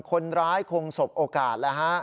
คนร้ายคงสบโอกาสแล้วฮะ